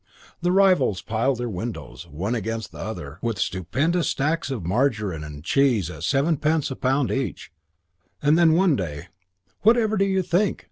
The rivals piled their windows, one against the other, with stupendous stacks of margarine and cheese at sevenpence the pound each; and then one day, "Whatever do you think?"